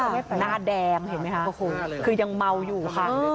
หน้าแดงเห็นไหมคะคือยังเมาอยู่ค่ะ